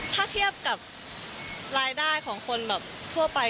ถ้าเทียบกับรายได้ของคนแบบทั่วไป